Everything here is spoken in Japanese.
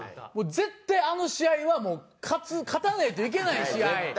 絶対あの試合はもう勝たないといけない試合。